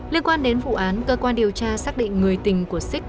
liên quan đến vụ án cơ quan điều tra xác định người tình của xích